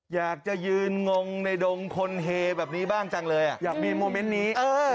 อยากจะยืนงงในดงคนเฮแบบนี้บ้างจังเลยอ่ะอยากมีโมเมนต์นี้